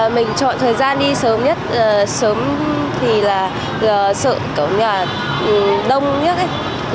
mình chọn thời gian đi sớm nhất sớm thì là sợ đông nhất